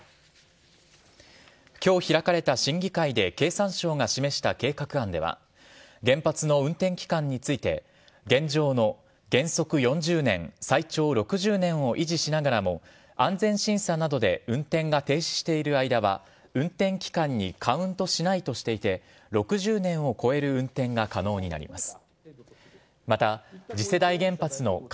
きょう開かれた審議会で経産省が示した計画案では、原発の運転期間について、現状の原則４０年、最長６０年を維持しながらも、安全審査などで運転が停止している間は、運転期間にカウントしないとしていて、６０年を超える運転が可能になります。